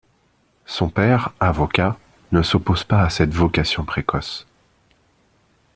Son père, avocat, ne s'oppose pas à cette vocation précoce.